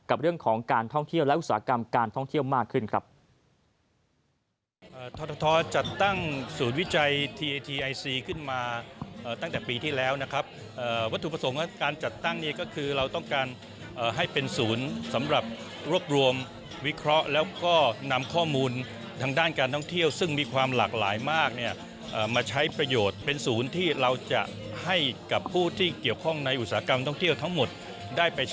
กับเรื่องของการท่องเที่ยวและอุตสาหกรรมการท่องเที่ยวมากขึ้นครับ